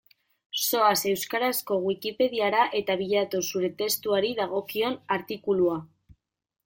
Zoaz euskarazko Wikipediara eta bilatu zure testuari dagokion artikulua.